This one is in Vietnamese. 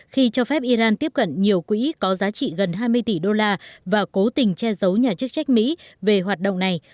khi cho phép iran tiếp cận nhiều quỹ có giá trị gần hai mươi tỷ đô la và cố tình che giấu nhà chức trách mỹ về hoạt động này